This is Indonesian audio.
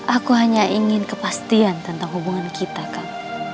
aku hanya ingin kepastian tentang hubungan kita kang